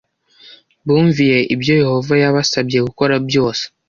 bumviye ibyo Yehova yabasabye gukora byose